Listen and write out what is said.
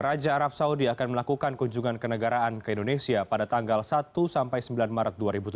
raja arab saudi akan melakukan kunjungan kenegaraan ke indonesia pada tanggal satu sampai sembilan maret dua ribu tujuh belas